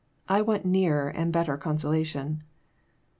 I want nearer and better consolation."